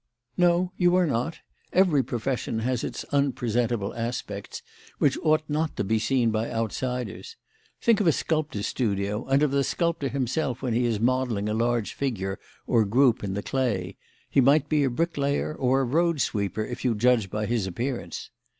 "No, you are not. Every profession has its unpresentable aspects, which ought not to be seen by out siders. Think of a sculptor's studio and of the sculptor himself when he is modelling a large figure or group in the clay. He might be a bricklayer or a road sweeper if you judge by his appearance.